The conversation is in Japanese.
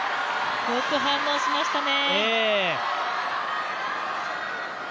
よく反応しましたね。